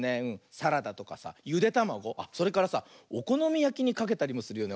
サラダとかさゆでたまごあっそれからさおこのみやきにかけたりもするよね。